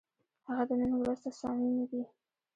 هغه د نن ورځ تصامیم نه دي،